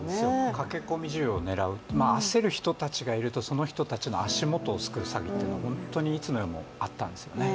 駆け込み需要を狙う、焦る人たちがいるとその人たちの足元をすくう詐欺というのはいつの時代もあるんですよね。